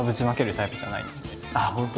本当？